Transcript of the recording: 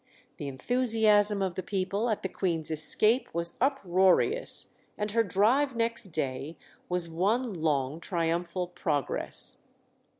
The enthusiasm of the people at the Queen's escape was uproarious, and her drive next day was one long triumphal progress.